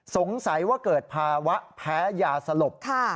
สงสัยว่าเกิดภาวะแพ้ยาสลบ